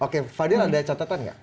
oke fadil ada catatan nggak